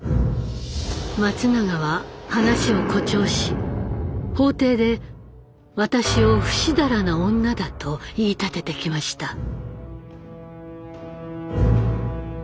松永は話を誇張し法廷で私をふしだらな女だと言い立ててきました。